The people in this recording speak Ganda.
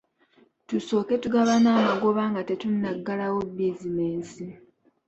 Tusooke tugabana amagoba nga tetunnaggalawo bizinensi.